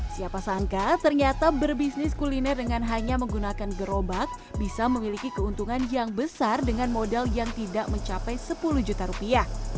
siapa sangka ternyata berbisnis kuliner dengan hanya menggunakan gerobak bisa memiliki keuntungan yang besar dengan modal yang tidak mencapai sepuluh juta rupiah